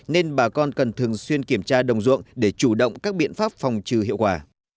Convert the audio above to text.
nên bà con cần thường xuyên kiểm tra đồng ruộng để chủ động các biện pháp phòng trừ hiệu quả